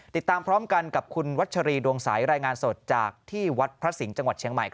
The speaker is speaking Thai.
ติดตามพร้อมกันกับคุณวัชรีดวงสายรายงานสดจากที่วัดพระสิงห์จังหวัดเชียงใหม่